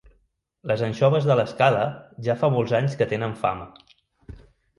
Les anxoves de L'Escala ja fa molts anys que tenen fama.